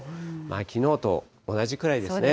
きのうと同じくらいですね。